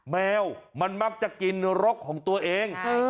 แมวมันมักจะกินรกของตัวเอง